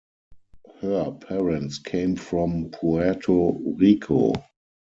Her parents came from Puerto Rico.